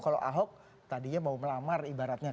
kalau ahok tadinya mau melamar ibaratnya